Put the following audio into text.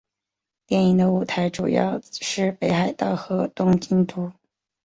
电影的舞台主要是北海道和东京都。